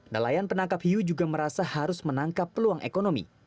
dalayan penangkap iu juga merasa harus menangkap peluang ekonomi